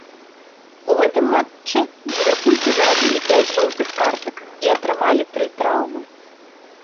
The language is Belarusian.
У гэтым матчы ліверпульцы зарабілі пяць жоўтых картак і атрымалі тры траўмы.